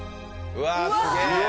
うわあすげえ！